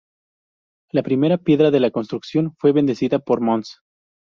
La primera piedra de la construcción fue bendecida por Mons.